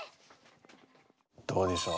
どうでしょう？